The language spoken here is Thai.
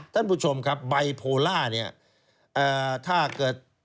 ท่านผู้ชมครับไบโพล่าเนี่ยถ้าเกิด